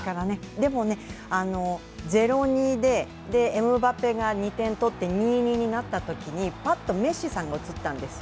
でもね、０−２でエムバペが２点取って２−２になったときにパッとメッシさんが映ったんですよ。